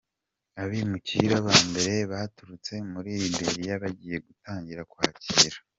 Abimukira ba mbere baturutse muri Libya bagiye gutangira kwakirwa.